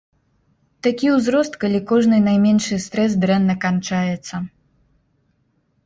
Такі ўзрост, калі кожны найменшы стрэс дрэнна канчаецца.